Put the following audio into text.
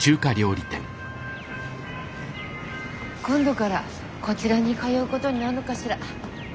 今度からこちらに通うことになるのかしら。